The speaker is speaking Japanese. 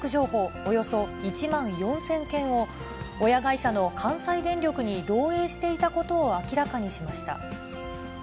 およそ１万４０００件を、親会社の関西電力に漏えいしていたことを明らかにしました。